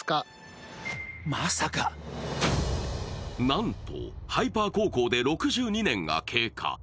なんと、ハイパー航行で６２年が経過。